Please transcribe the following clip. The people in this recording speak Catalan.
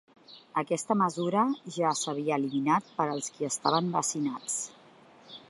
Aquesta mesura ja s’havia eliminat per als qui estaven vaccinats.